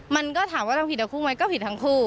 มันก็ถามว่าเราผิดทั้งคู่ไหมก็ผิดทั้งคู่